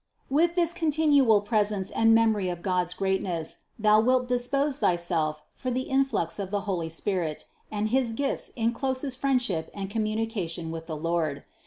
With this continual presence and 18 250 CITY OF GOD memory of God's greatness thou wilt dispose thyself for the influx of the holy Spirit and his gifts in closest friendship and communication with the Lord.